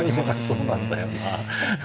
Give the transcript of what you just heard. そうなんだよな。